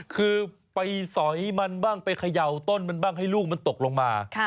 คือไปสอยมันบ้างไปเขย่าต้นมันบ้างให้ลูกมันตกลงมา